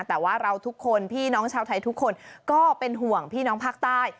แต่ว่าเราทุกคนพี่น้องชาวไทยทุกคนก็เป็นห่วงพี่น้องภาคใต้